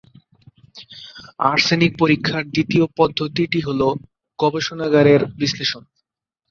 Arsenic পরীক্ষার দ্বিতীয় পদ্ধতিটি হলো গবেষণাগারের বিশ্লেষণ।